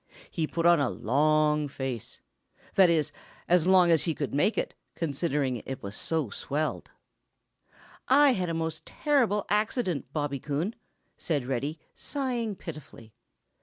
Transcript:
He put on a long face. That is, it was as long as he could make it, considering that it was so swelled. "I've had a most terrible accident, Bobby Coon," said Reddy, sighing pitifully.